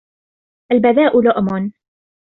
الْبَذَاءُ لُؤْمٌ